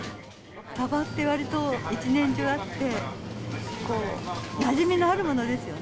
サバってわりと１年中あって、なじみのあるものですよね。